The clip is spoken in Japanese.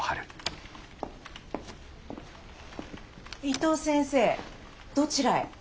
伊藤先生どちらへ？